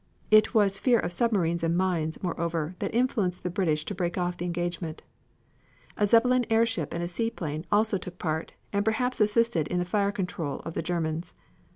It was fear of submarines and mines, moreover, that influenced the British to break off the engagement. A Zeppelin airship and a seaplane also took part, and perhaps assisted in the fire control of the Germans.